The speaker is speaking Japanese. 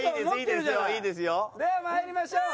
ではまいりましょう。